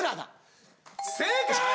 正解！